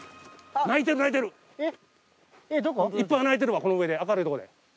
いっぱい鳴いてるわこの上で明るいとこで。